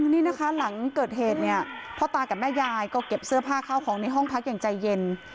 นี่นะคะหลังเกิดเหตุเนี่ยพ่อตากับแม่ยายก็เก็บเสื้อผ้าข้าวของในห้องพักอย่างใจเย็น